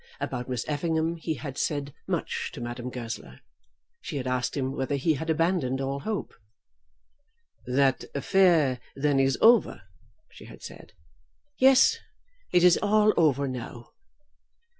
About Miss Effingham he had said much to Madame Goesler. She had asked him whether he had abandoned all hope. "That affair, then, is over?" she had said. "Yes; it is all over now."